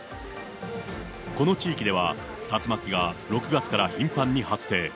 この地域では、竜巻が６月から頻繁に発生。